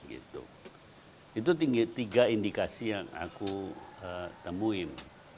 itu tiga indikasi yang aku temuin